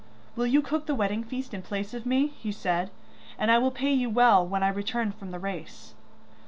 'Will you cook the wedding feast in place of me?' he said, 'and I will pay you well when I return from the race.